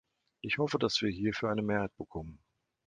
Ich hoffe, dass wir hierfür eine Mehrheit bekommen.